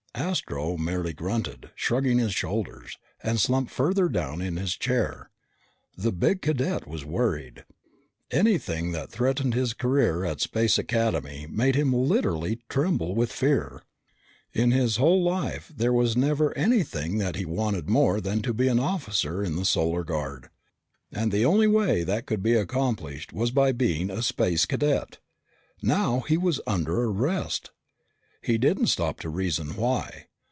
Astro merely grunted, shrugged his shoulders, and slumped further down in his chair. The big cadet was worried. Anything that threatened his career at the Space Academy made him literally tremble with fear. In his whole life there was never anything that he wanted more than to be an officer in the Solar Guard. And the only way that could be accomplished was by being a Space Cadet. Now he was under arrest. He didn't stop to reason why.